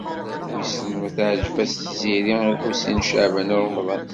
Wissen ma teɛjeb-as Tiziri i Lḥusin n Caɛban u Ṛemḍan.